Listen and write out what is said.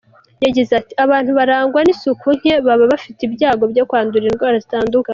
Yagize ati :"Abantu barangwa n’isuku nke baba bafite ibyago byo kwandura indwara zitandukanye.